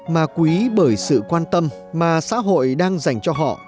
mà quý bởi sự quan tâm mà xã hội đang dành cho họ